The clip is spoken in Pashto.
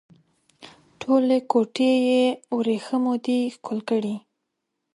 ټولې ګوتې یې وریښمو دي ښکل کړي